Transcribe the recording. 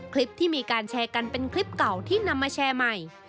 คลิปที่มีการแชร์กันเป็นคลิปเก่าที่นำมาแชร์ใหม่